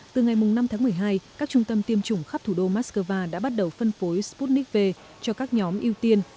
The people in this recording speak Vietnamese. từ ngày năm tháng một mươi hai các trung tâm tiêm chủng khắp thủ đô moscow đã bắt đầu phân phối sputnik v cho các nhóm ưu tiên